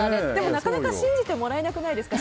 なかなか信じてもらえなくないですか？